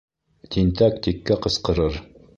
Тинтәк тиккә ҡысҡырыр.